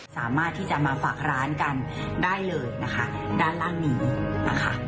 สามารถที่จะมาฝากร้านกันได้เลยนะคะด้านล่างนี้นะคะ